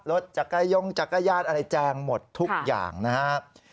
รถจักรยงจักรยานอะไรแจงหมดทุกอย่างนะครับ